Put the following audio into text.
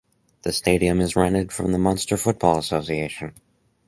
The stadium is rented from the Munster Football Association.